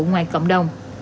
ngoài cộng đồng